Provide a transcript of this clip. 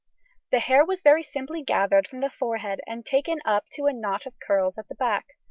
] The hair was very simply gathered from the forehead and taken up to a knot of curls at the back.